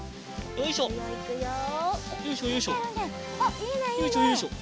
よいしょよいしょ。